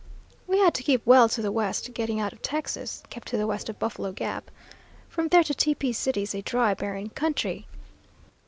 "We had to keep well to the west getting out of Texas; kept to the west of Buffalo Gap. From there to Tepee City is a dry, barren country.